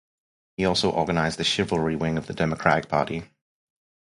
He also organized the "Chivalry" wing of the Democratic Party.